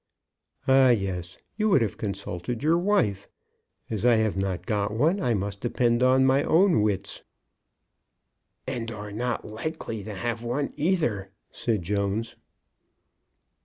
"Ah, yes; you would have consulted your wife; as I have not got one, I must depend on my own wits." "And are not likely to have one either," said Jones.